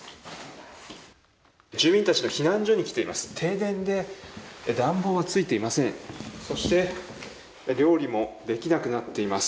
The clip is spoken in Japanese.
住民たちの避難所に来ています。